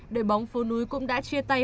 đội bóng phố núi cũng đã chia tay